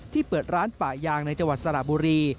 เปิดร้านป่ายางในจังหวัดสระบุรี